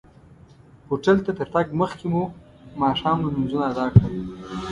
هوټل ته تر تګ مخکې مو ماښام لمونځونه ادا کړل.